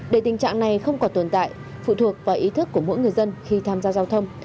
để tình trạng này không còn tồn tại phụ thuộc vào ý thức của mỗi người dân khi tham gia giao thông